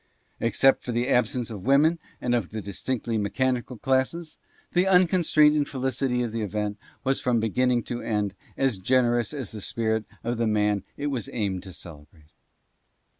Except for the absence of women and of the distinctively mechanical classes, the unconstraint and felicity of the event was from beginning to end as generous as the spirit of the man it was aimed to celebrate.